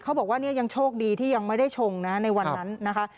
เขาบอกว่าเนี่ยยังโชคดีที่ยังไม่ได้ชงนะในวันนั้นนะคะ